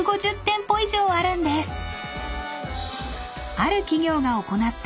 ［ある企業が行った］